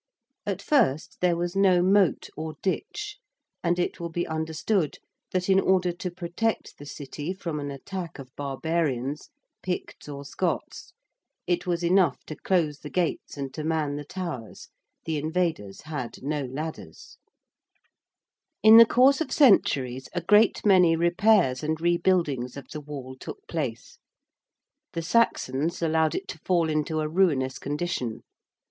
At first there was no moat or ditch, and it will be understood that in order to protect the City from an attack of barbarians Picts or Scots it was enough to close the gates and to man the towers. The invaders had no ladders. [Illustration: CITY GATES.] In the course of centuries a great many repairs and rebuildings of the Wall took place. The Saxons allowed it to fall into a ruinous condition.